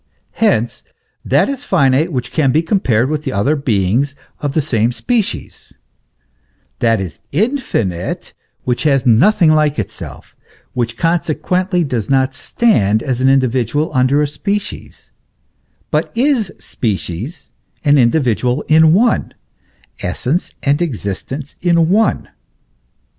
Hence, that is finite which can be compared with other beings of the same species ; that is infinite which has nothing like itself, which consequently does not stand as an individual under a species, but is species and individual in one, essence and existence in one.